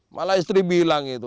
malah istri bilang itu